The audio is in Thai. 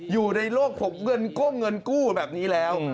อยู่ในโลกของเงินก้มเงินกู้แบบนี้แล้ว